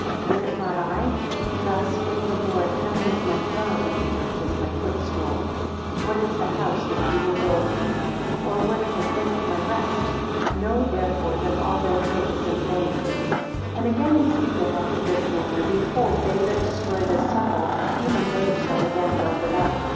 Is it not I? Thus with the Lord, Heaven is my throne, and the earth is my footstool. What is the house that ye will build me? Or what is the place of my rest? Know therefore that all their hope is vain. 14 And again he speaketh after this manner: Behold they that destroy this temple, even they shall again build it up.